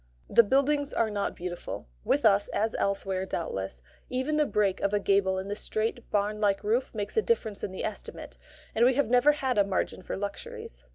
The buildings are not beautiful. With us, as elsewhere, doubtless, even the break of a gable in the straight, barn like roof makes a difference in the estimate, and we have never had a margin for luxuries.